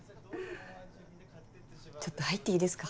ちょっと入っていいですか？